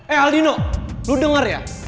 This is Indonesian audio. eh aldino lu denger ya